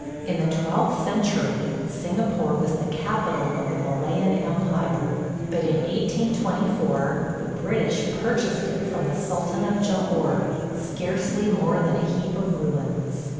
In the twelfth century Singapore was the capital of the Malayan empire, but in 1824 the British purchased it from the sultan of Jahore, scarcely more than a heap of ruins.